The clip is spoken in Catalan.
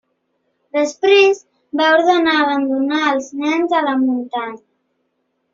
Després va ordenar abandonar els nens a la muntanya.